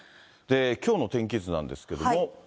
きょうの天気図なんですけども。